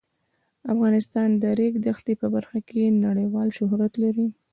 افغانستان د د ریګ دښتې په برخه کې نړیوال شهرت لري.